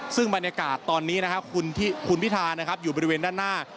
ซึ่งบรรยากาศตอนนี้คุณวิทาอยู่บริเวณด้านหน้า